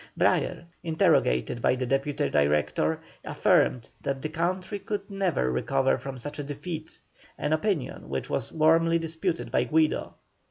Brayer, interrogated by the Deputy Director, affirmed that the country could never recover from such a defeat, an opinion which was warmly disputed by Guido.